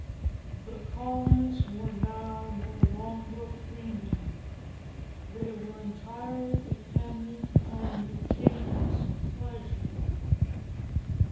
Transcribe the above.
The colonists were now no longer freemen; they were entirely dependent on the king's pleasure.